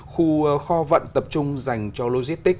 khu kho vận tập trung dành cho logistics